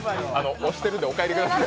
押してるんでお帰りください。